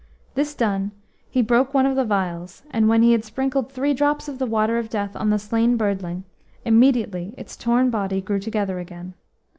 This done, he broke one of the vials, and when he had sprinkled three drops of the Water of Death on the slain birdling, immediately its torn body grew together again.